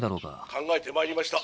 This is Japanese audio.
「考えてまいりました。